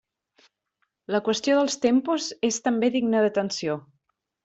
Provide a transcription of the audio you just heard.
La qüestió dels tempos és també digna d'atenció.